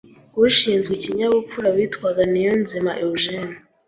ushinzwe ikinyabupfura witwaga NIYONZIMA Eugene